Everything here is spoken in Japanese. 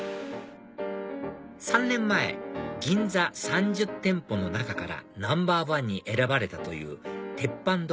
３年前銀座３０店舗の中からＮｏ．１に選ばれたという鉄板処